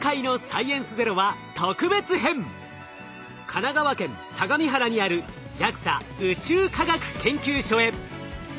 神奈川県相模原にあるＪＡＸＡ宇宙科学研究所へ！